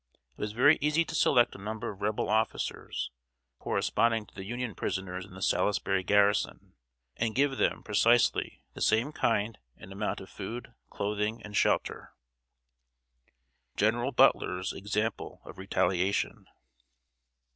It was very easy to select a number of Rebel officers, corresponding to the Union prisoners in the Salisbury garrison, and give them precisely the same kind and amount of food, clothing, and shelter. [Sidenote: GENERAL BUTLER'S EXAMPLE OF RETALIATION.